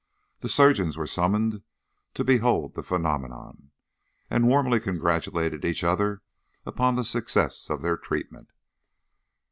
The surgeons were summoned to behold the phenomenon, and warmly congratulated each other upon the success of their treatment.